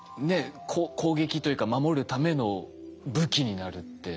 攻撃というか守るための武器になるって。